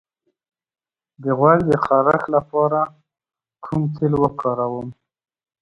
د غوږ د خارش لپاره کوم تېل وکاروم؟